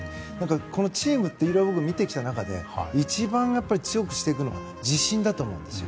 このチームをいろいろ僕、見てきた中で一番強くしていくのは自信だと思うんですよ。